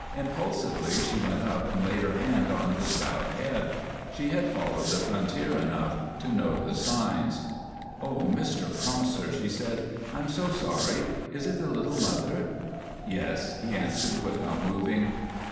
Impulsively she went up and laid her hand on his bowed head. She had followed the frontier enough to know the signs. "Oh, Mr. Prosser," she said, "I'm so sorry! Is it the little mother?" "Yes," he answered, without moving.